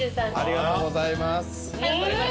ありがとうございます。